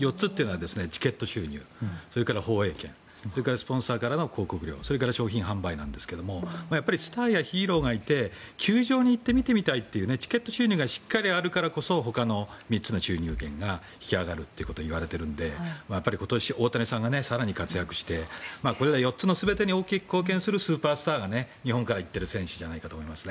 ４つというのはチケット収入それから放映権それからスポンサーからの広告料それから商品販売なんですがやっぱりスターやヒーローがいて球場に行ってみてみたいというチケット収入がしっかりあるからこそほかの３つの収入源が引き上がるといわれているのでやっぱり今年、大谷さんが活躍してこれが４つの全てに大きく貢献するスーパースターが日本から行っている選手じゃないかと思います。